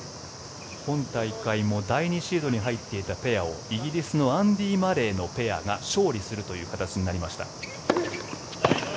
今大会も第２シードに入っていたペアをイギリスのアンディ・マレーのペアが勝利するという形になりました。